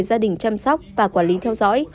gia đình chăm sóc và quản lý theo dõi